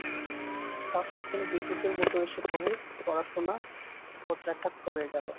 হঠাৎ যেন বিদ্যুতের মতো এসে পড়ে পড়াশুনোয় বজ্রাঘাত করে গেল।